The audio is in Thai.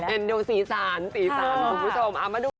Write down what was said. อ๋อเอ็นดูสีสานสีสานขอบคุณผู้ชม